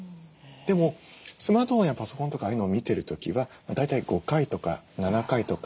でもスマートフォンやパソコンとかああいうのを見てる時は大体５回とか７回とか。